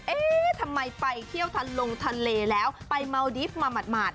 เอ๊ะทำไมไปเที่ยวทันลงทะเลแล้วไปเมาดิฟต์มาหมาด